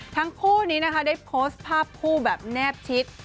ทั้งคู่นี้นะคะได้โพสต์ภาพคู่แบบแนบชิด